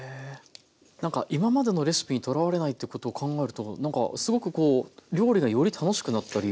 なんか今までのレシピにとらわれないということを考えるとなんかすごく料理がより楽しくなったり。